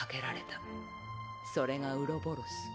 それがウロボロス。